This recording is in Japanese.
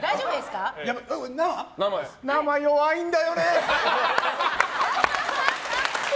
生弱いんだよね。